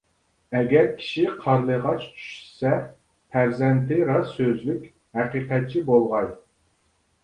ئەگەر كىشى قارلىغاچ چۈشىسە، پەرزەنتى راست سۆزلۈك، ھەقىقەتچى بولغاي.